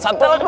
satu dua tiga